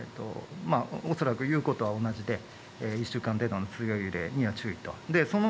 恐らく言うことは同じで１週間程度の強い揺れには注意。